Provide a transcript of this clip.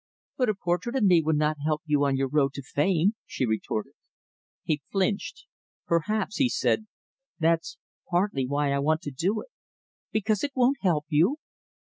"But a portrait of me would not help you on your road to fame," she retorted. He flinched. "Perhaps," he said, "that's partly why I want to do it." "Because it won't help you?"